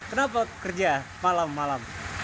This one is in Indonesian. kenapa kerja malam malam